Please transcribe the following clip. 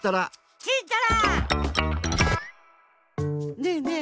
ねえねえ